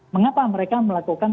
mengapa mereka melakukan